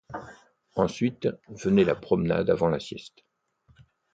Ensuite, venait la promenade, avant la sieste.